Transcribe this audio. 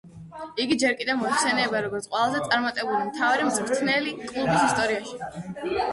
იგი ჯერ კიდევ მოიხსენიება როგორც ყველაზე წარმატებული მთავარი მწვრთნელი კლუბის ისტორიაში.